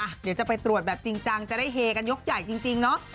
เดี๋ยวจะไปตรวจแบบจริงจังจะได้เฮกันยกใหญ่จริงเนาะ